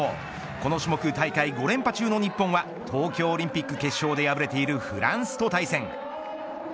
この種目、大会５連覇中の日本は東京オリンピック決勝で敗れているフランスと対戦。